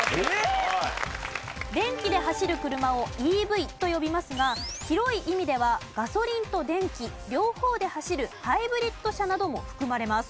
電気で走る車をＥＶと呼びますが広い意味ではガソリンと電気両方で走るハイブリッド車なども含まれます。